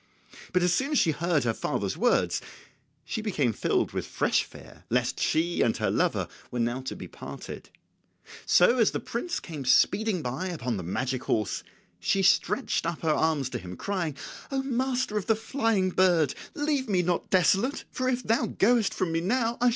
But as soon as she heard her father's words she became filled with fresh fear lest she and her lover were now to be parted; so as the prince came speeding by upon the magic horse she stretched up her arms to him, crying, "O master of the flying bird, leave me not desolate, for if thou goest from me now I shall die."